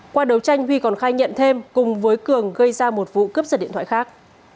qua đấu tranh huy còn khai nhận thêm cùng với cường gây ra một vụ cướp giật điện thoại khác